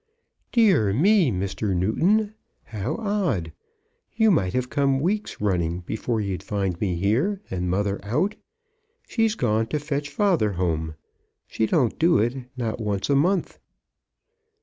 "Dear me, Mr. Newton; how odd! You might have come weeks running before you'd find me here and mother out. She's gone to fetch father home. She don't do it, not once a month."